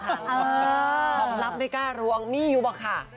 ของลับไม่กล้ารวงมีอยู่ป่ะค่ะ